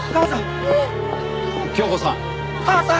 恭子さん！